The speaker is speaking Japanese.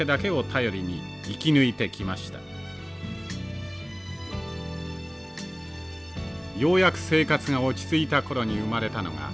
ようやく生活が落ち着いた頃に生まれたのが初孫の溢子さん。